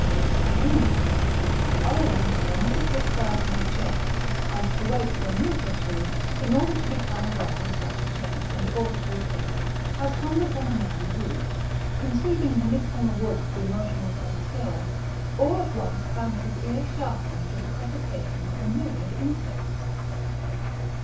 At any rate, Oleron had only to sit quiet in his chair and to wait for a minute or two in order to become aware of such a change in the auditory scale as comes upon a man who, conceiving the midsummer woods to be motionless and still, all at once finds his ear sharpened to the crepitation of a myriad insects.